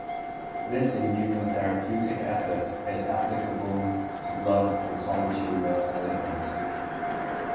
This immunotherapeutic effort is applicable to blood and solid tumor malignancies.